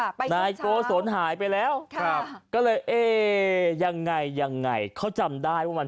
ไปไหนนายโกศลหายไปแล้วครับก็เลยเอ๊ยังไงยังไงเขาจำได้ว่ามัน